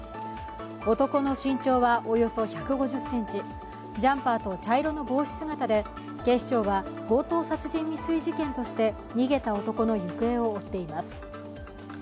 男の身長はおよそ１５０ｃｍ、ジャンパーと茶色の防止姿で、警視庁は強盗殺人未遂事件として逃げた男の行方を追っています。